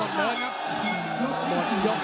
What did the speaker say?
หมดยก